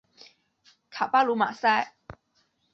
卡巴卢马塞。